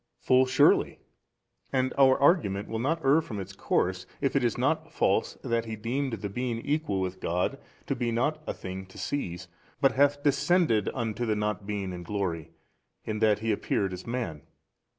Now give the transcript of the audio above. A. Full surely; and our argument will not err from its course, if it is not false that He deemed the being Equal with God to be not a thing to seize, but hath descended unto the not being in glory in that He appeared as man.